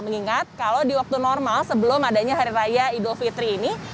mengingat kalau di waktu normal sebelum adanya hari raya idul fitri ini